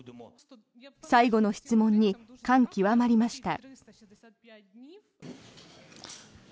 最後の質問に感極まりました。